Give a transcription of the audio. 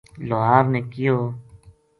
لوہار نے کہیو